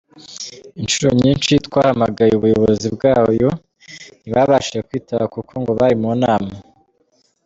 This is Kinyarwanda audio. Inshuro nyinshi twahamagaye ubuyobozi bwayo ntibabashije kwitaba kuko ngo bari mu nama.